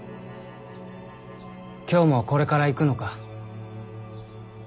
今日もこれから行くのか。